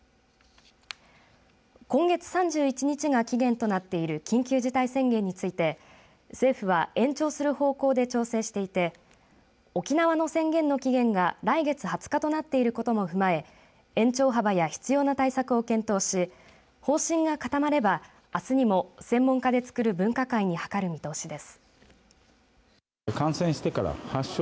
今月３１日が期限となっている緊急事態宣言について政府は延長する方向で調整していて沖縄の宣言の期限が来月２０日となっていることも踏まえ延長幅や必要な対策を検討し方針が固まれば、あすにも専門家でつくる分科会に諮る見通しです。